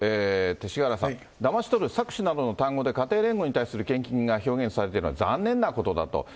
勅使河原さん、だまし取る、搾取などの単語で家庭連合に対する献金が表現されているのは残念なことだと。